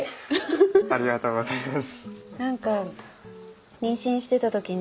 ありがとうございます。